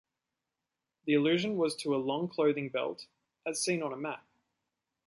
The allusion was to a long clothing belt, as seen on a map.